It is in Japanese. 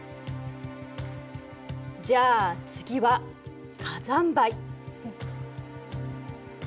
じゃあ次は火山灰。